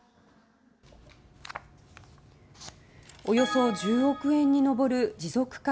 およそ１０億円に上る持続化